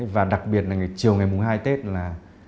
và đặc biệt là chiều ngày mùng hai tết là